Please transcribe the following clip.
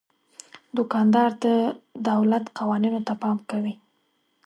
دوکاندار د دولت قوانینو ته پام کوي.